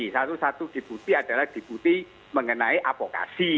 satu satu diputi adalah diputi mengenai avokasi